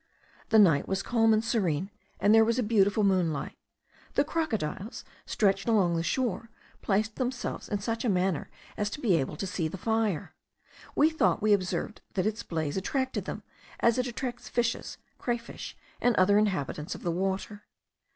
The night was calm and serene, and there was a beautiful moonlight. The crocodiles, stretched along the shore, placed themselves in such a manner as to be able to see the fire. We thought we observed that its blaze attracted them, as it attracts fishes, crayfish, and other inhabitants of the water.